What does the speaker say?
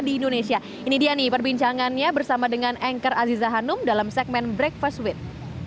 di indonesia ini dia nih perbincangannya bersama dengan anchor aziza hanum dalam segmen breakfast with